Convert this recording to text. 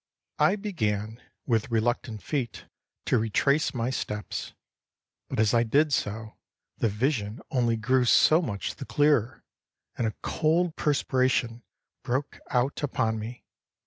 I began, with reluctant feet, to retrace my steps; but as I did so, the vision only grew so much the clearer; and a cold perspiration broke out upon me.